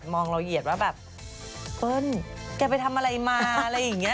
เราเหยียดว่าแบบเปิ้ลแกไปทำอะไรมาอะไรอย่างนี้